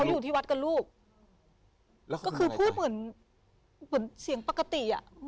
อยู่ที่วัดกับลูกก็คือพูดเหมือนเหมือนเสียงปกติอ่ะ